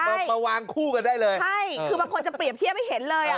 มามาวางคู่กันได้เลยใช่คือบางคนจะเปรียบเทียบให้เห็นเลยอ่ะ